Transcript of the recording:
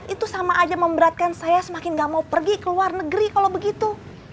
itu sama aja memberatkan saya semakin gak mau pergi ke luar negeri kalau begitu